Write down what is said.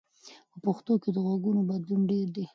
په پښتو کې د غږونو بدلون ډېر دی.